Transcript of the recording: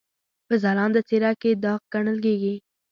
په ځلانده څېره کې داغ ګڼل کېږي.